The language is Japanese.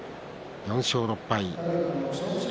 ４勝６敗。